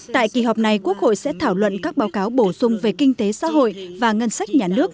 tại kỳ họp này quốc hội sẽ thảo luận các báo cáo bổ sung về kinh tế xã hội và ngân sách nhà nước